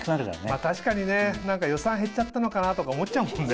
まぁ確かにね。何か予算減っちゃったのかなとか思っちゃうもんね。